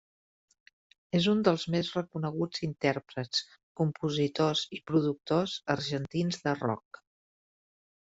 És un dels més reconeguts intèrprets, compositors i productors argentins de rock.